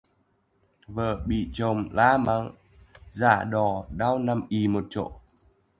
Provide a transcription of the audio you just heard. Vợ bị chồng la mắng giả đò đau nằm ì một chỗ